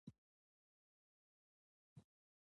هغه کسان حق لري چې وګړي تر پوښتنې لاندې ونیسي.